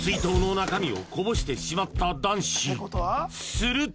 すると！